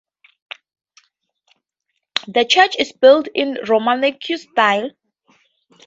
The church is built in Romanesque style.